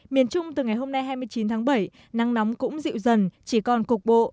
miền trung từ ngày hôm nay hai mươi chín tháng bảy nắng nóng cũng dịu dần chỉ còn cục bộ